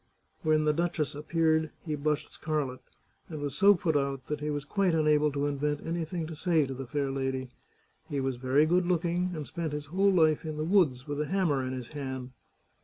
When the duchess appeared he blushed scarlet, and was so put out that he was quite unable to invent anything to say to the fair lady. He was very good looking, and spent his whole life in the woods with a hammer in his hand.